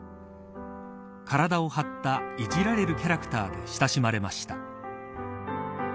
体を張ったいじられるキャラクターで親しまれました。